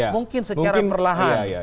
mungkin secara perlahan